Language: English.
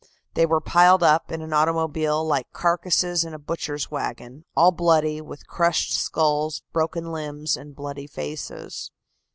They were piled up in an automobile like carcasses in a butcher's wagon, all bloody, with crushed skulls, broken limbs and bloody faces."